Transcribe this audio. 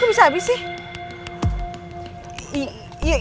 bensinnya berubah menjadi bensin